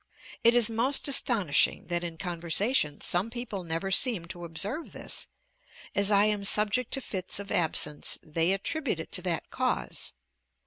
It is most astonishing that in conversation some people never seem to observe this; as I am subject to fits of absence, they attribute it to that cause.